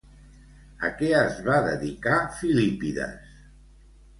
A què es va dedicar Filípides?